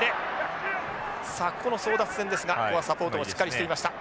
さあここの争奪戦ですがここはサポートをしっかりしていました。